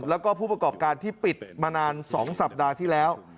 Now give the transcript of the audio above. แล้วก็ผู้ประกอบการที่ปิดมานาน๒สัปดาห์ที่แล้ว